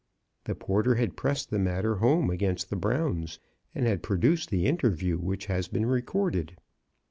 The porter had pressed the matter home against the Browns, and had produced the interview which has been recorded.